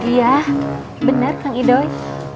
iya benar kang idoi